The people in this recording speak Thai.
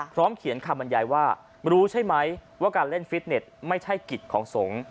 เขียนคำบรรยายว่ารู้ใช่ไหมว่าการเล่นฟิตเน็ตไม่ใช่กิจของสงฆ์